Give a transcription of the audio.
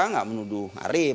nggak menuduh arief